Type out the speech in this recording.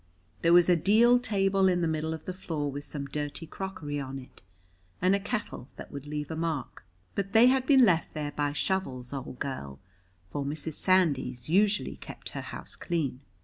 There was a deal table in the middle of the floor with some dirty crockery on it and a kettle that would leave a mark, but they had been left there by Shovel's old girl, for Mrs. Sandys usually kept her house clean.